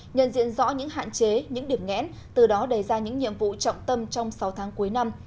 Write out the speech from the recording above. nhận diện rõ những hạn chế những điểm nghẽn từ đó đề ra những nhiệm vụ trọng tâm trong sáu tháng cuối năm